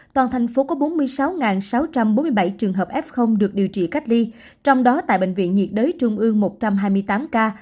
toàn thành phố có bốn mươi sáu sáu trăm bốn mươi bảy trường hợp f được điều trị cách ly trong đó tại bệnh viện nhiệt đới trung ương một trăm hai mươi tám ca